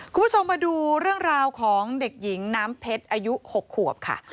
คุณผู้ชมมาดูเรื่องราวของเด็กหญิงน้ำเพชรอายุ๖ขวบค่ะ